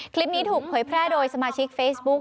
คลิปนี้ถูกเผยแพร่โดยสมาชิกเฟซบุ๊ค